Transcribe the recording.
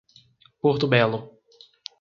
Porto Belo